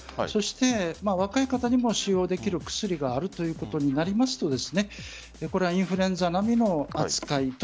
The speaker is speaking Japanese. そして若い方にも使用できる薬があるということになりますとインフルエンザ並みの扱い。